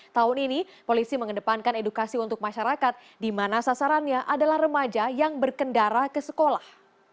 tahun ini polisi mengedepankan edukasi untuk masyarakat di mana sasarannya adalah remaja yang berkendara ke sekolah